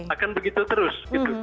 akan begitu terus